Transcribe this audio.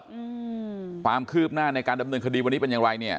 อืมความคืบหน้าในการดำเนินคดีวันนี้เป็นอย่างไรเนี่ย